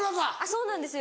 そうなんですよ。